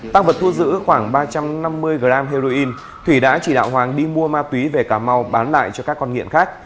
tăng vật thu giữ khoảng ba trăm năm mươi g heroin thủy đã chỉ đạo hoàng đi mua ma túy về cà mau bán lại cho các con nghiện khác